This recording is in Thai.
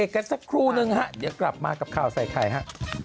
กันสักครู่นึงฮะเดี๋ยวกลับมากับข่าวใส่ไข่ฮะ